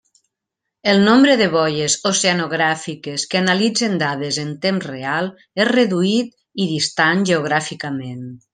El nombre de boies oceanogràfiques que analitzen dades en temps real és reduït i distant geogràficament.